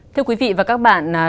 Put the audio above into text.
thưa quý vị và các bạn